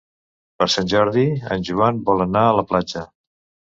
Per Sant Jordi en Joan vol anar a la platja.